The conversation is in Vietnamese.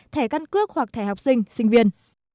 thẻ căn cước hoặc thẻ học sinh sinh viên